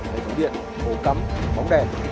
hệ thống điện hồ cắm bóng đèn